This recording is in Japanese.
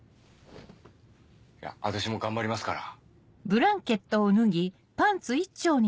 私も頑張りますから。